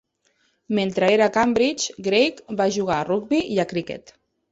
Mentre era a Cambridge, Greig va jugar a rugbi i a criquet.